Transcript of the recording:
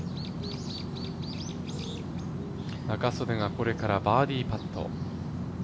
仲宗根がこれからバーディーパット。